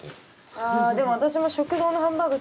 あでも私も食堂のハンバーグ